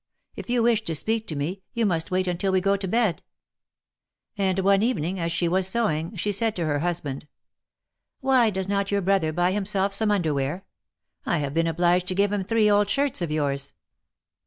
If you wish to speak to me, you must wait until we go to bed.'^ And one evening, as she was sewing, she said to her husband : '^Why does not your brother buy himself some under wear? I have been obliged to give him three old shirts of yours."